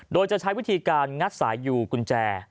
โดยจะใช้วิธีการงัดสายยูกุญแจ